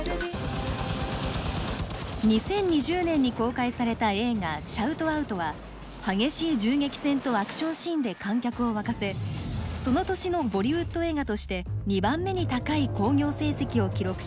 ２０２０年に公開された映画「シャウト・アウト」は激しい銃撃戦とアクションシーンで観客を沸かせその年のボリウッド映画として２番目に高い興行成績を記録しました。